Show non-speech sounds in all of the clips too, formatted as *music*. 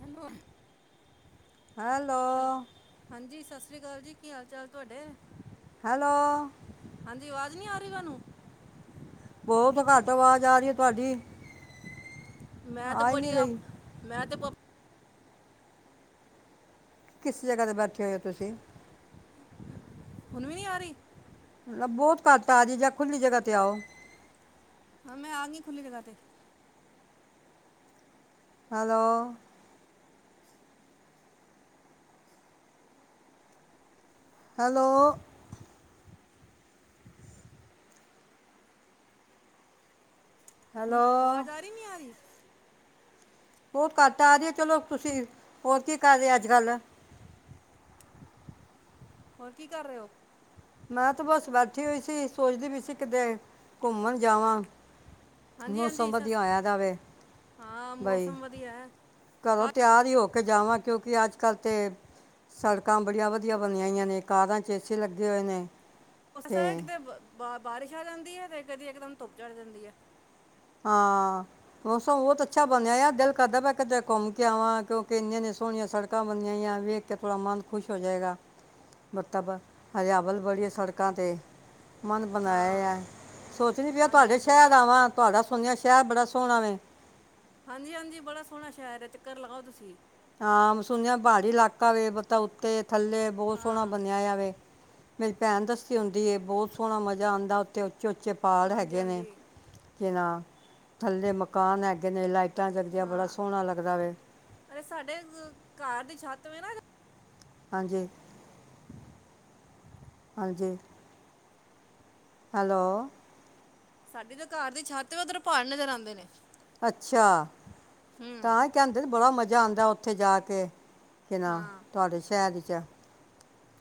Hello hello. ਹੈਲ ਹਾਂਜੀ ਸਤਿ ਸ਼੍ਰੀ ਅਕਾਲ ਜੀ। ਕੀ ਹਾਲ ਚਾਲ ਤੁਹਾਡੇ ਹੈਲੋ ਹਾਂਜੀ ਆਵਾਜ਼ ਨੀ ਆ ਰਹੀ ਤੁਹਾਨੂੰ ਬਹੁਤ ਘੱਟ ਆਵਾਜ਼ ਆ ਰਹੀ ਹੈ ਤੁਹਾਡੀ ਮੈਂ ਤੇ ਆ ਹੀ ਬੜੀ ਨਹੀਂ ਆਪ ਰਹੀ ਮੈਂ *unintelligible* ਕਿਸ ਜਗ੍ਹਾ ਤੇ ਬੈਠੇ ਹੋਏ ਹੋ ਤੁਸੀਂ ਹੁਣ ਵੀ ਨਹੀਂ ਆ ਰਹੀ ਬਹੁਤ ਘੱਟ ਆ ਜਈ ਜਾਂ ਖੁੱਲੀ ਜਗ੍ਹਾ ਤੇ ਆਓ। ਹਾ ਮੇ ਆਗੀ ਖੁੱਲ੍ਹੀ ਜਗ੍ਹਾ ਤੇ ਹੈਲੋ ਹੈਲੋ ਹੁਣ ਹੈਲੋ ਆਵਾਜ਼ ਆ ਰਹੀ ਨਹੀਂ ਆ ਰਹੀ ਉਹ ਘਟ ਆ ਰਹੀ ਹੈ ਚਲੋ ਤੁਸੀਂ ਹੋਰ ਕੀ ਕਰ ਰਹੇ ਅੱਜ ਕੱਲ ਹੋਰ ਕੀ ਕਰ ਰਹੇ ਹੋ ਮੈਂ ਤੇ ਬਸ ਬੈਠੀ ਹੋਈ ਸੀ ਸੋਚਦੀ ਵੀ ਸੀ ਕਿਤੇ ਘੁੰਮਣ ਜਾਵਾਂ ਹਾਂਜੀ ਮੌਸਮ ਹਾਂਜੀ ਸ ਵਧੀਆ ਹੋਇਆ ਦਾ ਵੇ ਹਾਂ ਮੌਸਮ ਵਧੀਆ ਹੈ ਕਰਰੋਂ ਕੱਲ ਤਿਆਰ ਹੀ ਹੋ ਕੇ ਜਾਵਾਂ ਕਿਉਂਕਿ ਅੱਜ ਕੱਲ੍ਹ ਤੇ ਸੜਕਾਂ ਬੜੀਆਂ ਵਧੀਆ ਬਣੀਆਂ ਹੋਈਆਂ ਨੇ ਕਾਰਾਂ ਚ ਏਸੀ ਲੱਗੇ। ਜਣੇ ਉਸ ਸ ਕਿ ਤੇ, ਬ ਬਾਰਿਸ਼ ਆ ਜਾਂਦੀ ਹੈ, ਤੇ ਕਦੀ ਇਕਦਮ ਧੁੱਪ ਚੜ ਜਾਂਦੀ ਹੈ। ਹਾਂ ਮੌਸਮ ਬਹੁਤ ਅੱਛਾ ਬਣਿਆ ਆ ਦਿਲ ਕਰਦਾ ਪਿਆ ਕਿਤੇ ਘੁੰਮ ਕੇ ਆਵਾਂ ਕਿਉਂਕਿ ਇੰਨੀਆਂ-ਇੰਨੀਆਂ ਸੋਹਣੀਆਂ ਸੜਕਾਂ ਬਣੀਆਂ ਵੇਖ ਕੇ ਥੋੜਾ ਮਨ ਖੁਸ਼ ਹੋ ਜਾਏਗਾ। ਮਤਲਬ ਹਰਿਆਵਲ ਬੜੀ ਹੈ ਸੜਕਾਂ ਤੇ ਮਨ ਬਣਾਏ ਹਾਂ ਆ ਸੋਚਣੀ ਪਏ ਹਾਂਜੀ ਤੁਹਾਡੇ ਹਾਂਜੀ ਸ਼ਹਿਰ ਆਵਾਂ, ਸੁਣਿਆ ਸ਼ਹਿਰ ਬੜਾ ਸੋਹਣਾ ਵੇ, ਹਾਂਜੀ-ਹਾਂਜੀ ਬੜਾ ਸੋਹਣਾ ਸ਼ਹਿਰ ਹੈ, ਚੱਕਰ ਲਾਓ ਤੁਸੀਂ। ਹਾਂ ਮੈਂ ਸੁਣਿਆ ਪਹਾੜੀ ਇਲਾਕਾ ਵਤਾ ਉੱਤੇ, ਥੱਲੇ ਬਹੁਤ ਸੋਹਣਾ ਹਾਂ ਬਣਿਆ ਵੇ, ਮੇਰੀ ਭੈਣ ਦੱਸਦੀ ਹੁੰਦੀ ਏ ਬਹੁਤ ਸੋਹਣਾ ਮਜ਼ਾ ਆਦਾ ਉੱਥੇ, ਚੋਚੇ ਪਾਲ ਹਾਂਜੀ ਹੈਗੇ ਨੇ ਹਾਂਜੀ ਜਿਨਾਂ, ਥੱਲੇ ਮਕਾਨ ਹੈਗੇ ਨੇ ਲਾਇ ਟਾਂ ਜਗਦੀਆਂ ਬੜਾ ਹਾਂ ਸੋਹਣਾ ਲੱਗਦਾ ਵੇ, ਅਰੇ ਸਾਡੇ ਘਰ ਦੀ ਛੱਤ ਹੋ ਨਾ, ਹਾਂਜੀ-ਹਾਂਜੀ, ਹੈਲੋ, ਸਾਡੀ ਤਾਂ ਘਰ ਦੀ ਛੱਤ ਉੱਧਰ ਪਹਾੜ ਨਜ਼ਰ ਆਦੇ ਨੇ, ਅੱਛਾ ਹੂੰ ਤਾਂ ਕਹਿੰਦੇ ਬੜਾ ਮਜ਼ਾ, ਆਦਾ ਉੱਥੇ ਜਾ ਕੇ ਕਿਨਾ ਹਾਂ ਤੁਹਾਡੇ ਸ਼ਹਿਰ, ਕਿਆ।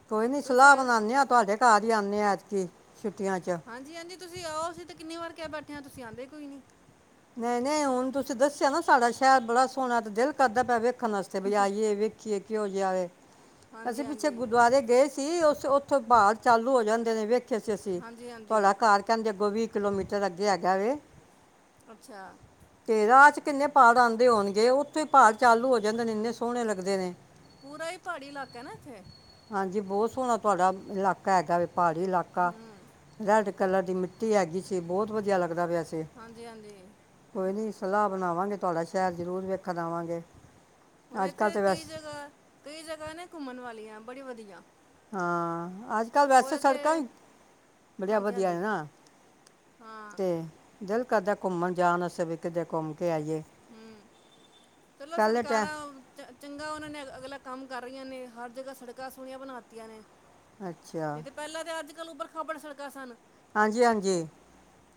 ਕੋਈ ਨੀ ਤੁਸੀਂ ਸਲਾਹ ਸਾ- ਬਣਾਨੇ ਆ ਤੁਹਾਡੇ ਘਰ ਆਣੇ ਆ ਐਤਕੀ, ਛੁੱਟੀਆਂ 'ਚ ਹਾਂਜੀ-ਹਾਂਜੀ, ਤੁਸੀਂ ਆਓ ਅਸੀਂ ਤੇ ਕਿੰਨੀ ਵਾਰ ਕਿਹਾ ਬੈ ਤੁਸੀਂ ਆਂਦੇ ਕੋਈ ਨੀ, ਨਹੀਂ-ਨਹੀਂ ਹੁਣ ਤੁਸੀਂ ਦੱਸਿਆ ਨਾ ਸਾਡਾ ਸ਼ਹਿਰ ਬੜਾ ਸੋਹਣਾ ਤੇ ਦਿਲ ਕਰਦਾ ਪਿਆ ਵੇ ਖਣ ਵਾਸਤੇ ਵੀ ਆਈਏ ਵੀ ਖੀਰ ਘਿਓ ਜਿਆਦੇ, ਹਾਂਜੀ ਅਸੀਂ ਪਿੱਛੇ ਹਾਂਜੀ ਗੁਰਦੁਆਰੇ ਗਏ ਸੀ। ਉਸ ਉੱਥੋਂ ਪਹਾੜ ਚਾਲੂ ਹੋ ਜਾਂਦੇ ਨੇ ਫੇ *unintelligible* ਅਸੀਂ ਹਾਂਜੀ ਹਾਂਜੀ ਤੁਹਾਡਾ ਘਰ ਕਹਿੰਦੇ ਕਿਲੋਮੀਟਰ ਅੱਗੇ ਹੈਗਾ ਵੇ, ਅੱਛਾ, ਤੇ ਰਾਹ ਚ ਕਿੰਨੇ ਪਹਾੜ ਆਉਂਦੇ ਹੋਣਗੇ ਉੱਥੇ ਪਾ ਚਾਲੂ ਹੋ ਜਾਂਦੇ ਨੇ ਇੰਨੇ ਸੋਹਣੇ ਲੱਗਦੇ ਨੇ, ਪੂਰਾ ਹੀ ਪਹਾੜੀ ਇਲਾਕਾ ਹੈ ਨਾ ਇੱਥੇ ਹਾਂਜੀ, ਬਹੁਤ ਸੋਹਣਾ ਤੁਹਾਡਾ ਇਲਾਕਾ ਹੈਗਾ ਵ ਪਹਾੜੀ ਇਲਾਕਾ ਹੂੰ ਰੈਡ ਕਲਰ ਦੀ ਮਿੱਟੀ ਹੈਗੀ ਸੀ, ਬਹੁਤ ਵਧੀਆ ਲੱਗਦਾ ਪਿਆ ਸੀ। ਹਾਂਜੀ ਹਾਂਜੀ ਕੋਈ ਨਹੀਂ ਸਲਾਹ ਬਣਾਵਾਂਗੇ, ਤੁਹਾਡਾ ਸ਼ਹਿਰ ਜ਼ਰੂਰ ਵੇਖਣ ਆਵਾਂਗੇ। ਹੁਣ ਅੱਜ ਕੱਲ ਇੱਥੇ ਤੇ ਕਈ ਵੈਸੇ ਜਗ੍ਹਾ ਕਈ ਜਗ੍ਹਾ ਨੇ ਘੁੰਮਣ ਵਾਲੀਆਂ ਬੜੀ ਵਧੀਆ, ਹਾਂ, ਅੱਜ ਕੱਲ੍ਹ ਵੈਸੇ ਉਹ ਤੇ ਸੜਕਾਂ ਹੀ ਬੜੀਆਂ ਹਾਂਜੀ ਵਧੀਆ ਹੈ, ਹਾਂਜੀ ਨਾ ਹਾਂ ਤੇ ਬਿਲ ਕਦੇ ਘੁੰਮਣ ਜਾਣ ਵਾਸਤੇ ਕਿਤੇ ਘੁੰਮ ਕੇ ਆਈਏ ਹੂੰ, ਚਲੋ ਪਹਿਲੇ ਟਾਈਮ ਸਰਕਾਰਾਂ ਚੰਗਾ ਉਹਨਾਂ ਨੇ ਅਗਲਾ ਕੰਮ ਕਰ ਰਹੀਆਂ ਨੇ ਹਰ ਜਗ੍ਹਾ ਸੜਕਾਂ ਸੋਹਣੀਆਂ ਬਣਾਤੀਆਂ ਨੇ, ਅੱਛਾ ਨਹੀਂ ਤੇ ਪਹਿਲਾਂ ਤੇ ਅੱਜ, ਉਬਰ ਖਬੜ ਸੜਕਾ ਸਨ ਹਾਂਜੀ-ਹਾਂਜੀ,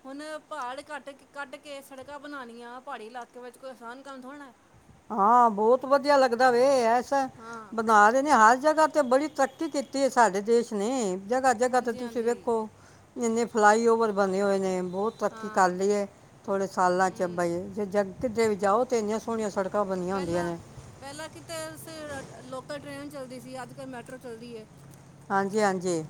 ਹੁਣ ਪਹਾੜ ਕੱਟ ਕੱਢ ਕੇ ਸੜਕਾਂ ਬਣਾਣੀਆਂ ਪਹਾੜੀ ਇਲਾਕੇ ਵਿੱਚ ਕੋਈ ਆਸਾਨ ਕੰਮ ਥੋੜਾ ਨਾ, ਹਾਂ ਬਹੁਤ ਵਧੀਆ ਲੱਗਦਾ ਵੇ ਐ, ਹਾਂ ਬਣਾ ਰਹੇ ਨੇ ਹਰ ਜਗ੍ਹਾ। ਅਤੇ ਬੜੀ ਤਰੱਕੀ ਕੀਤੀ ਸਾਡੇ ਦੇਸ਼ ਨੇ, ਜਗ੍ਹਾ'ਜਗ੍ਹਾ ਤੇ ਹਾਂਜੀ ਤੁਸੀਂ ਹਾਂਜੀ ਵੇਖੋ। ਇੰਨੇ ਫਲਾਈਓਵਰ ਬਣੇ ਹੋਏ ਨੇ, ਬਹੁਤ ਤਰੱਕੀ ਕਰ ਹਾਂ ਲਈਏ ਥੋੜ੍ਹੇ ਸਾਲਾਂ 'ਚ ਹੂੰ ਬਾਈ ਜੇ ਜ-' ਕਿੱਧਰੇ ਵੀ ਜਾਓ ਤੇ ਇੰਨੀਆਂ ਸੋਹਣੀਆਂ ਸੜਕ ਪਹਿਲਾਂ ਪਹਿਲਾਂ ਕਿਤੇ ਸੀ ਲੋਕ ਟ੍ਰੇਨ ਚੱਲਦੀ ਸੀ ਅੱਜ ਕਲ ਮੈਟਰੋ ਚੱਲਦੀ ਐ। ਹਾਂਜੀ, ਹਾਂਜੀ।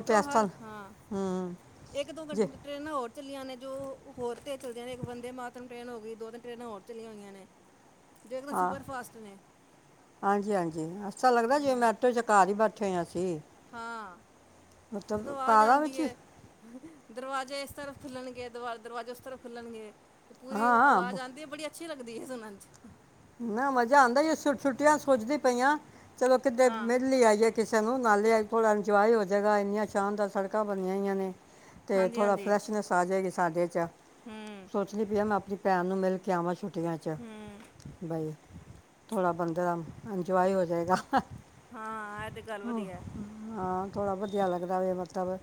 ਤੇ ਇਸ ਹਰ ਤਰ੍ਹਾਂ ਹਾਂ, ਹੂੰ ਇੱਕ ਦੋ ਜੀ ਘੰਟੇ ਟਰੇਨਾਂ ਹੋਰ ਚੱਲੀਆਂ ਨੇ ਜੋ ਹੋਰ ਤੇਜ ਚੱਲਦੀਆਂ ਨੇਂ ਇੱਕ ਬੰਦੇ ਮਾਤਮ ਟ੍ਰੇਨ ਹੋ ਗਈ ਦੋ ਤਿੰਨ ਟ੍ਰੇਨਾਂ ਹੋਰ ਚੱਲੀਆਂ ਹੋਈਆਂ ਨੇ। ਜੋ ਇੱਕਦਮ ਹਾਂ, ਸੁਪਰ ਫਾਸਟ ਨੇ ਹਾਂਜੀ, ਹਾਂਜੀ ਅੱਛਾ ਲੱਗਦਾ ਜਿਵੇਂ ਹੂੰ ਮੈਟਰੋ ਘਰ ਹੀ *inaudible* ਹਾਂ, ਮਤਲਬ ਜਦੋਂ ਆ ਕਾਰਾਂ ਜਾਦੀ ਵਿੱਚ ਹੀ? ਐ, ਦਰਵਾਜ਼ੇ ਇਸ ਤਰ੍ਹਾਂ ਖੁੱਲਣਗੇ, ਦਵ ਦਰਵਾਜ਼ੇ ਉਸ ਤਰ੍ਫ ਖੁੱਲਣਗੇ। ਤੇ ਪੂਰੀ ਹਾਂ ਆਵਾਜ਼ ਆਂਦੀ ਏ ਬੜੀਆ ਅੱਛੀ ਲੱਗਦੀ ਐ ਸੁਣਨ ਚ ਨਾਂ ਮਜ਼ਾ ਆਂਦਾ ਛੁੱਟੀਆਂ ਚ ਸੋਚਦੀ ਪਈਆਂ। ਚਲੋ ਕਿੱਦੈ ਹਾਂ ਮਿਲ ਆਈਏ ਕਿਸ ਨੂੰ ਨਾਲੇ ਥੋੜਾ ਇੰਜੋਏ ਹੋ ਜੈਗਾ ਇੰਨਾ ਛਾਂਣਦਾਰ ਸੜਕ ਕਾਂ ਬਣੀਆ ਹੋਈਆਂ ਨੇ, ਤੇ ਹਾਂਜੀ ਥੋੜਾ ਹਾਂਜੀ ਫਰੈਸ਼ਨੈਸ ਆ ਜਏਗੀ ਸ ਸਾਡੇ ਚ ਹੂੰ ਸੋਚਣੀ ਪੀ ਮੈਂ ਆਪਣੀ ਭੈਣ ਨੂੰ ਮਿਲ ਕੇ ਆਵ ਛੁੱ ਹਂ ਬਾਈ ਥੋੜ੍ਹਾ ਬੰਦੇ ਦਾ ਇੰਜੋਏ ਹੋ ਜਾਏਗਾ। *unintelligible* *unintelligible* ਹਾਂ ਇਹ ਤੇ ਗੱਲ ਵਧੀਆ ਹੈ। ਹਾਂ। ਥੋੜਾ ਵਧੀਆ ਲੱਗਦਾ ਵ ਮਤਲਬ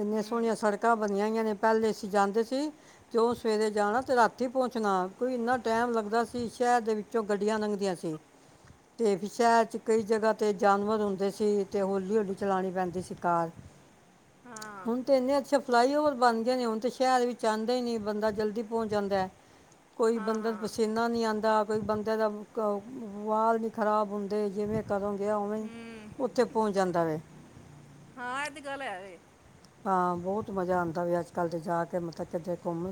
ਇੰਨੇ ਹੂੰ ਸੋਹਣੀਆਂ ਸੜਕਾਂ ਬਣੀਆਂ ਹੋਈਆਂ ਨੇ। ਪਹਿਲੇ ਅਸੀਂ ਜਾਂਦੇ ਸੀ ਤੇ ਉਹ ਸਵੇਰੇ ਜਾਣਾ ਤੇ ਰਾਤੀ ਪਹੁੰਚਣਾ ਕੋਈ ਇੰਨਾ ਟਾਈਮ ਲੱਗਦਾ ਸੀ। ਸ਼ਹਿਰ ਦੇ ਵਿੱਚੋਂ ਗੱਡੀਆਂ ਲੰਘਦੀਆਂ ਸੀ ਤੇ ਫਿਰ ਸ਼ਹਿਰ ਕਈ ਜਗ੍ਹਾ ਤੇ ਜਾਨਵਰ ਹੁੰਦੇ ਸੀ ਤੇ ਹੌਲੀ-ਹੌਲੀ ਚਲਾਉਣੀ ਪੈਂਦੀ ਸੀ ਕਾਰ। ਤੇ ਹਾਂ ਹੁਣ ਤੇ ਇਹਨੇ ਅੱਛੇ ਫਲਾਈਓਵਰ ਬਣ ਗਏ ਨੇ ਹੁਣ ਸ਼ਹਿਰ ਵੀ ਆਂਦਾ ਈ ਨਈਂ ਬੰਦਾ ਜਲਦੀ ਪਹੁੰਚ ਜਾਂਦਾ। ਕੋਈ ਹਾਂ ਬੰਦਾ ਹਾਂ ਪਸੀਨਾਂ ਨਹੀਂ ਆਂ ਦਾ ਬੰਦੇ ਬ ਕ ਵਾਲ ਨੀਂ ਖਰਾਬ ਹੁੰਦੇ, ਜਿਵੇਂ ਕਦੋਂ ਗਿਆ ਉਵੇਂ ਹੂੰ ਉੱਥੇ ਪਹੁੰਚ ਜਾਂਦਾ ਵੇ। ਹਾਂ ਇਹ ਤੇ ਗੱਲ ਹੈ ਵੇ ਹਾਂ ਬਹੁਤ ਮਜ਼ਾ ਆਂਦਾ ਵੀ ਅੱਜ-ਕੱਲ ਦੇ ਜਾ ਕੇ ਮਤਲਬ ਕਿਤੇ ਘੁੰਮ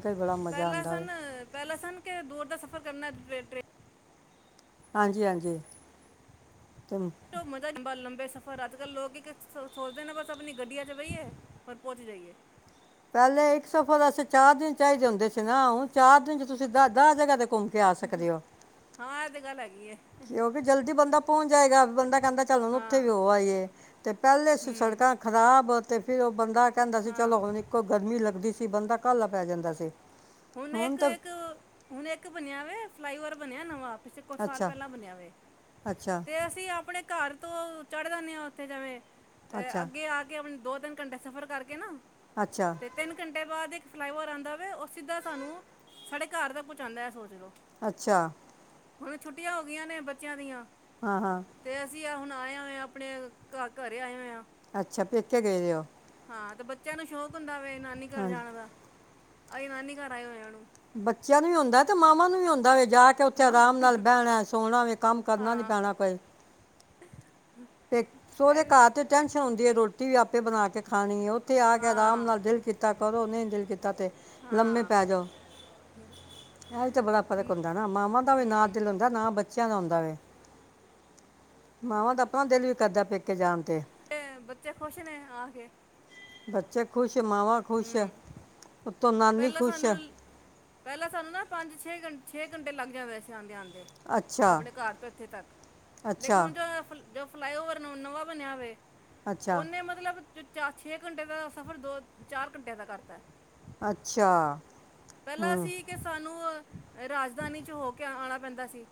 ਪਹਿਲਾਂ ਸਨ ਪਹਿਲਾਂ ਸਨ ਕਿ ਦੂਰ ਦਾ ਸਫ਼ਰ ਕਰਨਾ ਟ੍ਰੇਨ ਹਾਂਜੀ ਹਾਂਜੀ ਤੇ ਮਜ਼ਾ ਲੰਬੇ ਸਫ਼ਰ ਅੱਜ ਕੱਲ ਲੋਕ ਸੋਚਦੇ ਨੇ ਬਸ ਆਪਣੀ ਗੱਡੀਆਂ ਚ ਬਹੀਏ ਪਰ *unintelligible* *unintelligible* ਪਹਿਲੇ ਇੱਕ ਸਫ਼ਰ ਦਾ ਅਸ ਚਾਰ ਦਿਨ ਚਾਹੀਦੇ ਹੁੰਦੇ ਸੀ ਨਾ ਹੁਣ ਚਾਰ ਦਿਨ ਚ ਤੁਸੀਂ ਦਸ ਦਸ ਜਗ੍ਹਾ ਤੇ ਘੁੰਮ ਕੇ ਆ ਸਕਦੇ ਹੋ ਹਾਂ ਇਹ ਤੇ ਗੱਲ ਹੈਗੀ ਹੈ ਕਿਉਂਕਿ ਜਲਦੀ ਬੰਦਾ ਪਹੁੰਚ ਜਾਏਗਾ ਬੰਦਾ ਕਹਿੰਦਾ ਚੱਲਨ ਉੱਥੇ ਵੀ ਹਾਂ ਉਹ ਆਈਏ ਤੇ ਪਹਿਲੇ ਹੂੰ ਸੜਕਾਂ ਖ਼ਰਾਬ ਤੇ ਫਿਰ ਉਹ ਬੰਦਾ ਕਹਿੰਦਾ ਸੀ ਹਾਂ ਚਲੋ ਹੁਣ ਇੱਕੋ ਗਰਮੀ ਲੱਗਦੀ ਸੀ ਬੰਦਾ ਘੱਲ ਪੈ ਜਾਂਦਾ ਸੀ ਹੁਣ ਇੱਕ ਇੱਕ ਹੁਣ ਇੱਕ ਬਣਿਆ ਵਾ ਫਲਾਈਓਵਰ ਬਣਿਆ ਨਵਾਂ ਪਿੱਛੇ ਕੁੱਛ ਸਾਲ ਅੱਛਾ ਪਹਿਲਾਂ ਬਨਿਆ ਵੇ ਅੱਛਾ ਤੇ ਅਸੀਂ ਆਪਣੇ ਘਰ ਤ ਚੜ੍ਹਦਾਦੇ ਆ ਉੱਥੇ ਜਾਵੇਂ ਅ ਅੱਛਾ ਅੱਗੇ ਆ ਕੇ ਆਪਣੇ ਦੋ ਤਿੰਨ ਘੰਟੇ ਸਫ਼ਰ ਕਰਕੇ ਨਾ ਅੱਛਾ ਤੇ ਤਿੰਨ ਘੰਟੇ ਬਾਅਦ ਇੱਕ ਫਲਾਈਓਵਰ ਆਉਂਦਾ ਵ ਸਿੱਧਾ ਸਾਨੂੰ ਸਾਡੇ ਘਰ ਦਾੱ ਕੁਛ ਆਉਂਦਾ ਹੈ ਸੋਚ ਲਓ ਅੱਛਾ ਹੁਣ ਛੁੱਟੀਆਂ ਹੋ ਗਈਆਂ ਨੇ ਬੱਚਿਆਂ ਦੀਆਂ ਹਹ ਹਾਂ ਵੀਆ ਹੁਣ ਆਇਆ ਹੋਇਆ ਆਪਣੇ ਘ ਘਰੇ ਆਏ ਹੋਏ ਆ ਅੱਛਾ ਪੇਕੇ ਗਏਦੇ ਉਹ ਹਾਂ ਤੇ ਬੱਚਿਆਂ ਨੂੰ ਸ਼ੌਕ ਹੁੰਦਾ ਵਵੇ ਨਾਨੀ ਘਰ ਜਾਣ ਦਾ *inaudible* ਬੱਚਿਆਂ ਨੂੰ ਵੀ ਆਉਂਦਾ ਤੇ ਮਾਵਾਂ ਨੂੰ ਵੀ ਆਉਂਦਾ ਜਾ ਕੇ ਉੱਥੇ ਮਾਂ ਆਰਾਮ ਨਾਲ ਬਹਿਣਾ ਸੋਣਾ ਵੀ ਕੰਮ ਕਰਨਾ ਨੀ ਹਾਂ ਪੈਣਾ ਕੋਈ *inaudible* ਤੇ ਸੋਦੇ ਇਹ ਘਰ ਤੇ ਟੈਂਨਸ਼ਨ ਹੁੰਦੀ ਹੈ ਰੋਟੀ ਰੋਟੀ ਵੀ ਆਪੇ ਬਣਾ ਕੇ ਖਾਣੀ ਉਹ ਉੱਥੇ ਆ ਕੇ ਆਰਾਮ ਹਾਂ ਨਾਲ ਦਿਲ ਕੀਤਾ ਕਰੋ ਨਹੀਂ ਤੇ ਲੰਮੇ ਹਾਂ ਪੈ ਜਾਓ ਇਹ ਵੀ ਤੇ ਬੜਾ ਫਰਕ ਹੁੰਦਾ ਨਾ ਮਾਵਾਂ ਦਾ ਵੀ ਨਾ ਹੂੰ ਦਿਲ ਹੁੰਦਾ ਨਾ ਬੱਚਿਆਂ ਦਾ ਆਉਂਦਾ ਵ ਮਾਵਾਂ ਦਾ ਉਹਿਲ ਵੀ ਕੱਦਾ ਪੇਕੇ ਜਾਣ ਤੇ ਬੱਚੇ ਖੁਸ਼ ਨੇ ਆ ਕੇ ਬੱਚੇ ਖੁਸ਼ ਮਾਵਾਂ ਖੁਸ਼ ਹਮ ਉੱਤੋਂ ਨਾਨੀ ਪਹਿਲਾਂ ਖੁਸ਼ ਸਾਨੂੰ ਪਹਿਲਾਂ ਸਾਨੂੰ ਨਾ ਪੰਜ ਛੇ ਘੰਟੇ ਛੇ ਘੰਟ ਲੱਗ ਜਾਂਦੇ ਸੀ ਆਂਦੇ ਆਂਦੇ ਅੱਛਾ ਆਪਣੇ ਘਰ ਤੋਂ ਇੱਥੇ ਤੱਕ ਲੇਕਿਨ ਅੱਛਾ ਹੁਣ ਜੋ ਜੋ ਫਲਾਈਓਵਰ ਨਵਾਂ ਬਣਿਆ ਹੋਵੇ ਅੱਛਾ ਉਹਨੇ ਮਤਲਬ ਚਾਰ ਛੇ ਘੰਟੇ ਦਾ ਸਫ਼ਰ ਦੋ ਚਾਰ ਘੰਟਿਆਂ ਦਾ ਕਰਤਾ ਅੱਛਾ ਪਹਿਲਾਂ ਹੂੰ ਸੀ ਕਿ ਸਾਨੂੰ ਰਾਜਧਾਨੀ ਚ ਹੋ ਕੇ ਆਉਣਾ ਬੰਦਾ ਸੀ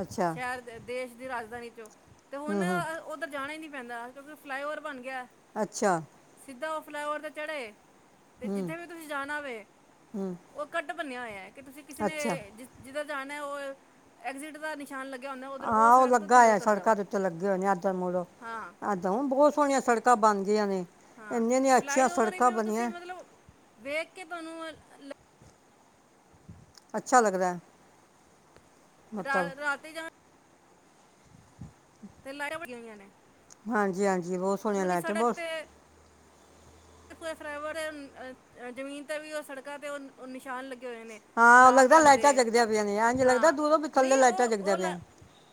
ਅੱਛਾ ਸ਼ਹਿਰ ਦੇ ਦੇਸ਼ ਦੀ ਰਾਜਧਾਨੀ ਚੋਂ ਤੇ ਹੁਣ ਹੂੰ ਹੂੰ ਉੱਧਰ ਜਾਣਾ ਹੀ ਨੀ ਪੈਂਦਾ ਫਲਾਈਓਵਰ ਬਣ ਗਿਆ ਅੱਛਾ ਸਿੱਦਾਂ ਉਹ ਫਲਾਈਓਵਰ ਤੇ ਚੜ੍ਹੇ ਤੇ ਹੂੰ ਜਿੱਥੇ ਵੀ ਤੁਸੀਂ ਜਾਣਾ ਹੋਵੇ ਹੂੰ ੱ ਬਣਿਆ ਹੋਇਆ ਹੈ ਕਿ ਤੁਸੀਂ ਕਿਸੇ ਨੇ ਅੱਛਾ ਜ ਜਿੱਦਾਂ ਜਾਣਾ ਉਹ ਐਗਜ਼ਿਟ ਦਾ ਨ ਆਾਂ ਉਹ ਲੱਗਾ ਆਆ ਸੜਕਾਂ ਦੇ ਉੱਤੇ ਲੱਗੇ ਹੋਏ ਨੇ ਇੱਦ ਮੁੜੋ ਹਾਂ ਇੱਦਾਂ ਬਹੁਤ ਸੋਹਣੀਆਂ ਸੜਕਾਂ ਬਣ ਗਈਆਂ ਨੇ ਹਾਂ ਇੰਨੀਆਂ ਨੇ ਅੱਛੀਆਂ ਫਲਾਈਓਵਰ ਸੜਕਾਂ ਵੀ ਤੁਸੀਂ ਬਣੀਆਂ ਮਤਲਬ ਵੇਖ ਕੇ ਤੁਹਾਨੂੰ ਅੱਛਾ ਲੱਗਦਾ ਹੈ ਮਤਲਬ ਰਾ ਰਾਤ ਜਾ ਤੇ ਲਾਰਾਂ ਵੜੀਆਂ ਹੋਈਆਂ ਨੇ ਹਾਂਜੀ ਹਾਂਜੀ ਜੀ ਬਹੁਤ ਸੁਣਿਆ ਪੂਰੀ ਲੈ ਤੇ ਬਹੁਤ ਫਈਵਰ ਜ਼ਮੀਨ ਤੇ ਵੀ ਉਹ ਸੜਕਾਂ ਤੇ ਉਹ ਨਿਸ਼ਾਨ ਲੱਗੇ ਹੋਏ ਨੇ ਹਾਂ ਉਹ ਲਾਲ ਲੱਗਦਾ ਰੰਗ ਲਾਈਟਾਂ ਦੇ ਜਗਦਿਆਂ ਪਈਆਂ ਨੇ ਇਝ ਲੱਗਦਾ ਹਾਂ ਦੂਰੋਂ ਵੀ ਥੱਲੇ ਨਹੀਂ ਲਾਈਟਾਂ ਉਹ ਜਗਦਿਆਂ ਉਹ ਪਿਆਆਂ ਲਾ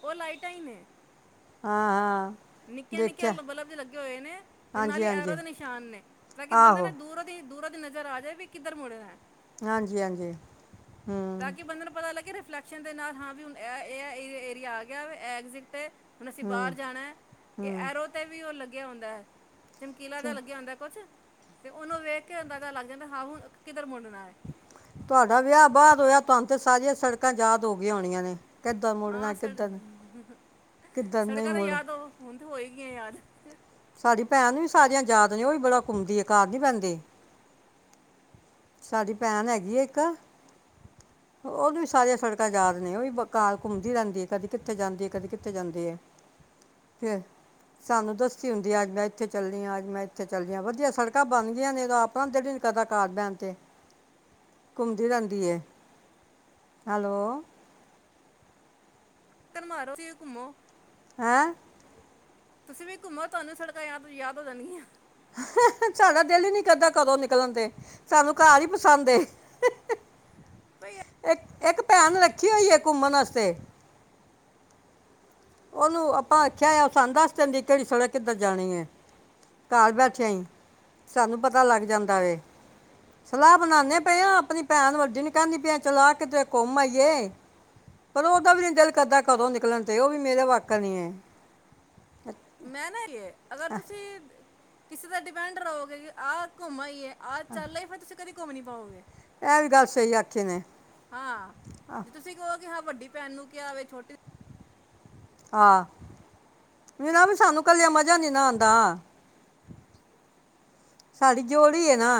ਉਹ ਲਾਈਟਾਂ ਹਾਂ ਹਾਂ ਨਿੱਕੇੀਆਂ ਦੇਖਿਆ ਨਿੱਕੇੀਆਂ ਬਲਬ ਦੇ ਲੱਗੇ ਹੋਏ ਨੇ ਤੇ ਨਾਲ ਹਾਂਜੀ ਹੀ ਐਰ ਹਾਂਜੀ ਦੇ ਨਿਸ਼ਾਨ ਨੇ ਤਾਂ ਕਿ ਬੰਦੇ ਨੇ ਆਹੋ ਦੂਰ ਦੀ ਦੂਰਰਾ ਦੀ ਨਜ਼ਰ ਆ ਜਾਵੇ ਵੀ ਕਿੱਧਰ ਮੁੜੇ ਦਾ ਹਾਂਜੀ ਹਾਂਜੀ ਤਾਂ ਹੂੰ ਕਿ ਬੰਦੇ ਨੂੰ ਪਤਾ ਲੱਗੇ ਫਲੈਕਸ਼ਨ ਦੇ ਨਾਲ ਹਾਂ ਵੀ ਹੁਣ ਇਹ ਏਰੀਆ ਆ ਗਿਆ ਐਗਜ਼ਿਟ ' ਹੁਣ ਅਸੀਂ ਬਾਹਰ ਹੂੰ ਜਾਣਾ ਇਹ ਹੂੰ ਐਰੋ ਤੇ ਵੀ ਉਹ ਲੱ ਗੇ ਆਉਂਦਾ ਹੈ ਚਮਕੀਲਾ ਦਾ ਚਲੋ, ਲੱਗਿਆ ਹੁੰਦਾ ਕੁਛ ਤੇ ਉਹਨੂੰ ਵੇਖ ਕੇ ਆਂਦਾ ਤਾਂ ਲੱਗ ਜਾਂਦਾ ਹਾਂ ਹੁਣ ਕਿ ਤੁਹਾਡਾ ਵਿਆਹ ਬਾਹ ਹੋਇਆ ਤੁਹਾਨੂੰ ਤੇ ਸਾਰੀਆਂ ਸੜਕਾਂ ਯਾਦ ਹੋ ਗਈ ਆਉਣੀਆਂ ਨੇ ਕਿੱਦਾਂ ਆਾਂ ਮੁੜਨਾ ਸੁਲ ਕਿੱਦਾਂ ਕਿੱਦਾਂ ਨਹੀਂ ਸੜਕਾਂ ਤੇ ਮੁੜ ਯਾਦ ਹੋ ਹੁਣ ਹੋ ਹੀ ਗੀਆਂ ਯਾਦ ਸਾਡੀ ਭੈਣ ਵੀ ਸਾਰੀਆਂ ਯਾਦ ਨੇ ਹੀ ਬੜਾ ਘੁੰਮਦੀ ਹੈ ਕਾਰ ਨੀ ਪੈਂਦੇ ਸਾਡੀ ਭੈਣ ਹੈਗੀ ਆ ਇੱਕ ਉਹਨੂੰ ਵੀ ਸਾਰੀਆਂ ਸੜਕਾਂ ਯਾਦ ਨੇ ਹੀ ਕਾਰ ਘੁੰਮਦੀ ਰਹਿੰਦੀ ਕਦੀ ਕਿੱਥੇ ਜਾਂਦੀ ਹੈ ਕਦੇ ਕਿੱਥੇ ਜਾਂਦੇ ਆ ਫਿਰ ਸਾਨੂੰ ਦੱਸ ਹੁੰਦੀ ਅੱਜ ਮੈਂ ਇੱਥੇ ਚੱਲ ਹ ਅੱਜ ਮੈਂ ਇੱਥੇ ਚੱਲਦੀ ਹ ਵਧੀਆ ਸੜਕਾਂ ਬਣ ਗਈਆਂ ਨੇ ਆਪਣਾ ਜੜ ਕਦਾ ਕਾਰ ਬੈਣ ਤੇ ਘੁੰਮਦੀ ਰਹਿੰਦੀ ਹੈਲੋ ਚੱਕਰ ਮਾਰੋ ਫੇਰ ਘੁੰਮੋ ਹੈਂ ਤੁਸੀਂ ਵੀ ਘੁੰਮੋ ਤੁਹਾਨੂੰ ਸੜਕਾਂ ਯਾਦ ਯਾਦ ਹੋ ਜਾਣਗੀਆਂ ਸਾਡਾ ਦਿਲ ਹੀ ਨੀ ਕਰਦਾ ਘਰੋਂ ਨਿਕਲਣ ਦੇ ਸਾਨੂੰ ਘਰ ਹੀ ਪਸੰਦ ਏ ਭਈ ਇੱਕ ਇੱਕ ਭੈਣ ਰੱਖੀ ਹੋਈ ਹੈ ਘੁੰਮਣ ਵਾਸਤੇ ਓਹਨੂੰ ਆਪਾ ਆਖਿਆ ਏ ਸਾਨੂੰ ਦਸ ਦੇਂਦੀ ਸੜਕ ਕਿਦਰ ਜਾਣੀ ਏ ਘਰ ਬੈਠੇ ਸਾਨੂੰ ਪਤਾ ਲੱਗ ਜਾਂਦਾ ਏ ਸਲਾਹ ਬਣਾਂਦੇ ਪਏ ਆ ਆਪਣੀ ਭੈਣ ਵੱਡੀ ਨੂੰ ਕਹਿੰਦੀ ਪਈ ਚਲ ਆ ਕਿਤੇ ਘੁੰਮ ਆਈਏ ਓਦਾ ਵੀ ਮੇਰੀ ਦਿਲ ਕਰਦਾ ਘਰੋਂ ਨਿਕਲਣ ਤੇ ਉਹ ਮੇਰਾ ਵਾਕਿਆ ਨੀ ਹੈ ਮੈਂ ਨਾ ਲੀਯੇ ਅਗਰ ਅਹ, ਤੁਸੀਂ ਕਿਸੇ ਤੇ ਡਿਪੈਂਡ ਰਹੋਗੇ ਕਿ ਆਹ ਘੁੰਮ ਹੀਏ ਆਹ ਚੱਲ ਈ ਫਿਰਸੀ ਕਦੇ ਘੁੰਮ ਨੀ ਪਾਓਗੇ ਇਹ ਵੀ ਗੱਲ ਸਹੀ ਆਖੀ ਨੇ ਕਿਹਾ ਵੱਡੀ ਭੈਣ ਨੂੰ ਕਿਹਾ ਵੇ ਛੋਟੀ ਆਹ ਵੀ ਨਾ ਵੀ ਸਾਨੂੰ ਕੱਲ ਮਜਾ ਨੀ ਨਾ ਆਉਂਦਾ ਸਾਡੀ ਜੋੜੀ ਆ ਨਾ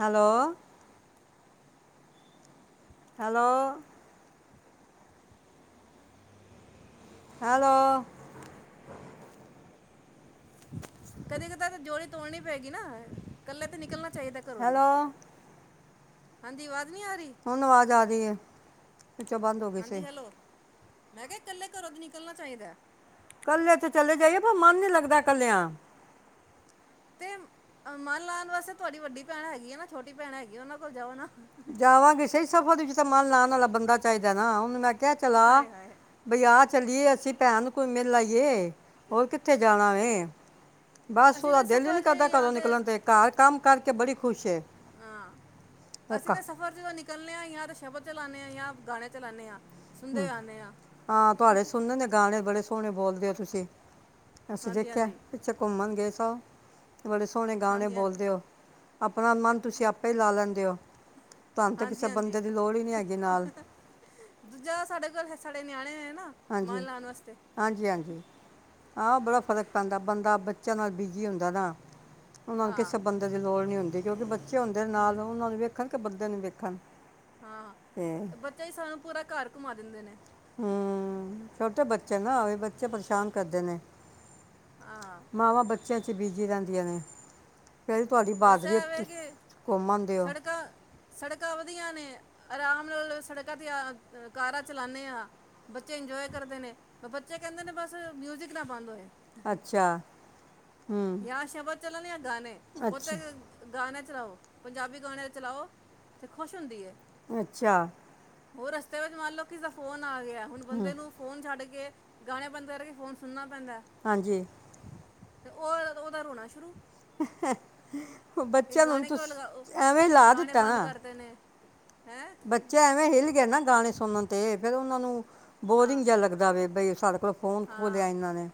ਹੈਲੋ ਹੈਲੋ ਹੈਲੋ *unintelligible* ਕਦੇ ਕਦ। ਰ ਤਾਂ ਜੋੜੀ ਤੋੜਨੀ ਪੈਗੀ ਨਾ ਇਕੱਲੇ ਤੇ ਨਿਕਲਣਾ ਚਾਹੀਦਾ ਘਰੋਂ ਦੀ ਹੈਲੋ ਹਾਂਜੀ ਵਦ ਹੁਣ ਅਵਾਜ਼ ਆ ਰਹੀ ਹੈ ਵਿੱਚੋਂ ਬੰਦ ਹੋ ਗਏ ਸੀੇ। ਹਾਂਜੀ ਹੈਲੋ ਮੈਂ ਕਿਹਾ ਇਕੱਲੇ ਘਰੋਂ ਦੀ ਨਿਕਲਣਾ ਚਾਹੀਦਾ ਏ। ਇਕੱਲੇ ਤੇ ਚਲੇ ਜਾਈਏ ਪਰ ਮਨ ਨੀ ਲੱਗਦਾ ਇੱਕਲਿਆ। ਤੇ ਮਨ ਲਾਉਣ ਵਾਸਤੇ ਤੁਹਾਡੀ ਵੱਡੀ ਭੈਣ ਹੈਗੀ ਆ ਨਾ। ਛੋਟੀ ਭੈਣ ਹੈਗੀ, ਉਹਨਾਂ ਕੋਲ ਜਾਓ ਨਾ। ਸਮਾਨ ਲਾਉਣ ਵਾਲਾ ਬੰਦਾ ਚਾਹੀਦਾ ਨਾ। ਉਹਨੂੰ ਮੈਂ ਪਿਆ ਚਲਾ ਹਾਏ ਹਾਏ ਬਜਾ ਚਲੀਏ ਅਸੀਂ ਭੈਣ ਕੋਂ ਮਿਲ਼ ਆਈਏ। ਹੋਰ ਕਿੱਥੇ ਜਾਣਾ ਵ? ਬਸ ਅਸੀਂ ਉਹਦਾ ਤਾਂ ਦਿਲ ਹੀ ਨਹੀਂ ਸਫਰ 'ਚ ਕਰਦਾ। ਜਾਂ ਘਰੋਂ ਨਿਕਲਣ ਤੇ ਘਰ ਕੰਮ ਕਰਕੇ ਕੇ ਬੜੀ ਖੁਸ਼ ਹੈ। ਹਾਂ। ਇੱਕ ਅਸੀਂ ਤਾਂ ਸਫ਼ਰ ਜਦੋਂ ਨਿਕਲਦੇ ਆ। ਜਾ ਤੇ ਸ਼ਬਦ ਚਲਾਣੇ ਹਾਂ ਜਾਂ ਗਾਣੇ ਚਲਾਉਦੇ ਹਾਂ। ਸੁਣਦੇ ਹੂੰ। ਆਉਂਦੇ ਹਾਂ ਹਾਂ ਤੁਹਾਡੇ ਸੁਣਨ ਨੇ ਗਾਣੇ ਬੜੇ ਹੁਣੇ ਬੋਲਦੇ ਹੋ ਤੁਸੀਂ। ਅਸੀਂ ਹਾਂਜੀ ਦੇਖਿਆ ਹਾਂਜੀ ਪਿੱਛੇ ਘੁੰਮਣ ਗਏ ਸੌ ਬੜੇ ਸੋਹਣੇ ਗਾਣੇ ਹਾਂਜੀ ਹਾਂਜੀ ਬੋਲਦੇ ਹੋ। ਆਪਣਾ ਮਨ ਤੁਸੀਂ ਆਪੇ ਹੀ ਲਾ ਲੈਂਦੇ ਹੋ। ਤੁਹਾਨੂੰ ਤੇ ਹਾਂਜੀ ਕਿਸੇ ਹਾਂਜੀ ਬੰਦੇ ਦੀ ਲੋੜ ਹੀ ਨਹੀਂ ਹੈਗੀ ਨਾਲ ਪਰ ਸਾਡੇ ਨਿਆਣੇ ਹੈ ਹਾਂਜੀ ਹਾਂਜੀ ਹਾਂਜੀ ਆਹ ਬੜਾ ਫ਼ਰਕ ਪੈਂਦਾ ਬੰਦਾ ਚ ਨਾਲ ਬਿਜੀ ਹੁੰਦਾ ਨਾ। ਉਹਨਾਂ ਨੂੰ ਹਾਂ ਕਿਸੇ ਬੰਦੇ ਦੀ ਲੋੜ ਨਹੀਂ ਹੁੰਦੀ। ਕਿਉਂਕਿ, ਬੱ ੱਚੇ ਹੁੰਦੇ ਨਾਲ ਹੂੰ ਉਹਨਾਂ ਨੂੰ ਵੇਖਣ ਕੇ ਧ ਨੂੰ ਵੇਖਣ। ਹਾਂ, ਤੇ ਬੱਚਾ ਹੀ ਸਾਨੂੰ ਪੂਰਾ ਘਰ ਘੁਮਾ ਦਿੰਦੇ ਨੇ। ਹੂੰ। ਛੋਟੇ ਬੱਚੇ ਨਾ ਉਹੀ ਬੱਚੇ ਪਰੇਸ਼ਾਨ ਕਰਦੇ ਨੇ। ਹਾਂ ਮਾਵਾਂ ਬੱਚਿਆਂ ਬੀਜ਼ੀ ਰਹਿੰਦੀਆਂ ਨੇ। ਕਿਹੜੀ ਤੁਹਾਡੀ ਬੱਸ ਬਹਾਦਰੀ ਹੈ, ਐਵੇਂ ਤੁਸ ਕਿ ਕੋਮਨ ਦਿਓ ਸੜਕਾਂ ਸੜਕਾਂ ਵਧੀਆ ਨੇ। ਆਰਾਮ ਨਾਲ ਸੜਕਾਂ ਤੇ ਆ ਕਾਰਾਂ ਚਲਾਉਂਦੇ ਹਾਂ ਬੱਚੇ ਇੰਜੋਏ ਕਰਦੇ ਨੇ ਤੇ ਬੱਚੇ ਕਹਿੰਦੇ ਨੇ ਬਸ ਮਿਊਜ਼ਿਕ ਨਾ ਬੰਦ ਹੋਏ। ਅੱਛਾ। ਹੂੰ ਜਾਂ ਸ਼ਬਦ ਚੱਲਣ ਗਾਣੇ ਮ ਤੇ ਅੱਛਾ ਗਾਣੇ ਚਲਾਓ ਪੰਜਾਬੀ ਗਾਣੇ ਚਲਾਓ ਤੇ ਖੁਸ਼ ਹੁੰਦੀ ਏ ਅੱਛਾ ਹੋਰ ਰਸਤੇ ਵਿੱਚ ਮੰਨ ਲਓ ਕਿਸੇ ਦਾ ਫੋਨ ਆ ਗਿਆ ਹੁਣ ਬੰਦੇ ਨੂੰ ਫੋਨ ਛੱਡ ਕੇ ਕੇ ਗਾਣੇ ਬੰਦ ਕਰਕੇ ਫੋਨ ਸੁਣਨਾ ਪੈਂਦਾ ਹੈ, ਹਾਂਜੀ ਤੇ ਉਹ ਉਹਦਾ ਰੋਣਾ ਸ਼ੁਰੂ *unintelligible* ਕਿ ਨੂੰ ਹੁਣ ਗਾਣੇ ਕਿਉਂ ਲਗਾ ਤੁਸੀਂ ਐਵੇਂ ਹੀ ਲਾ ਗਾਣੇ ਦਿੱਤਾ ਬੰਦ ਨਾ ਕਰਦੇ ਨੇ ਹੈ ਬੱਚਾ ਐਵੇਂ ਹਿੱਲ ਗਿਆ ਨਾ ਗਾਣੇ ਸੁਣਨ ਅਤੇ ਫਿਰ ਉਹਨਾਂ ਨੂੰ ਹਾਂ ਬੋਰਿੰਗ ਜਿਹਾ ਲੱਗਦਾ ਵ ਬਈ ਕੋ ਫੋਨ ਖੋਹ ਲਿਆ ਇਹਨਾਂ ਨੇ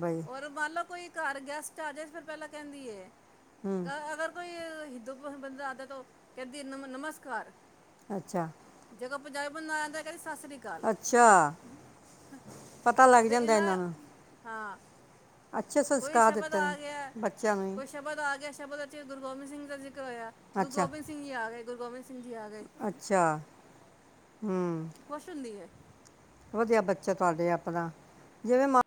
ਬਈ ਹੋਰ ਮੰਨ ਲਓ ਕੋਈ ਘਰ ਗੇਸ ਚਾਰਜ ਫਿਰ ਪਹਿਲਾਂ ਕਹਿੰਦੀਏ। ਹੂੰ ਅ ਅਗਰ ਕੋਈ ਹਿੰਦੂੰ ਤੋਂ ਕੋਈ ਬੰਦਾ ਤਾਂ ਤੋਂ ਕਹਿੰਦੀ ਏ ਨਮਸਕਾਰ ਅੱਛਾ। ਜਦੋਂ ਪੰਜਾਬੀ ਬੰਦਾ ਆਂਦੈ ਕਹਿੰਦੀ ਸਤਿ ਸ਼੍ਰੀ ਅਕਾਲ ਅੱਛਾ ਪਤਾ ਲੱਗ ਤੇ ਜਾਂਦਾ ਇਹਨਾਂ ਨੂੰ ਹਾਂ। ਅੱਛੇ ਕੋਈ ਸੰਸਕਾਰ ਸ਼ਬਦ ਦਿੱਤੇ ਨੇ ਆ ਗਿਆ ਬੱਚਿਆਂ ਨੂੰ ਹੀ ਕੋਈ ਸ਼ਬਦ ਆ ਗਿਆ ਸ਼ਬਦ ਵਿੱਚ ਗੁਰੂ ਗੋਬਿੰਦ ਸਿੰਘ ਜੀ ਦਾ ਜ਼ਿਕਰ ਹੋਇਆ ਗੁਰੂ ਅੱਛਾ ਗੋਬਿੰਦ ਸਿੰਘ ਜੀ ਆ ਗਏ ਗੁਰੂ ਗੋਬਿੰਦ ਸਿੰਘ ਜੀ ਆ ਗਏ ਅੱਛਾ ਹੂੰ ਖੁਸ਼ ਹੁੰਦੀ ਹੈ। ਵਧੀਆ ਬੱਚਾ ਤੁਹਾਡੇ ਆਪਣਾ ਜਿਵੇਂ ਮ